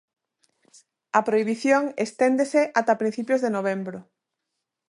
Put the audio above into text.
A prohibición esténdese ata principios de novembro.